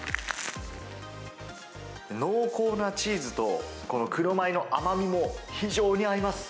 濃厚なチーズと、この黒米の甘みも、非常に合います。